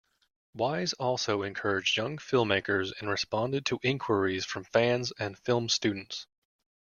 Wise also encouraged young filmmakers and responded to inquiries from fans and film students.